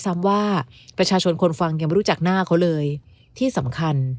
ซ้ำว่าประชาชนคนฟังยังไม่รู้จักหน้าเขาเลยที่สำคัญ